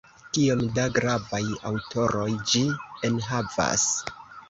Kiom da gravaj aŭtoroj ĝi enhavas!